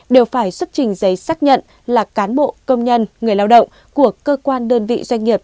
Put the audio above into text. đều phải xuất trình giấy xác nhận là cán bộ công nhân người lao động của cơ quan đơn vị doanh nghiệp